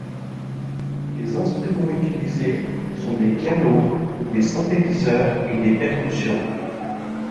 Les instruments utilisés sont des pianos, des synthétiseurs et des percussions.